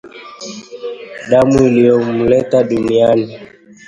Damu iliyomleta duniani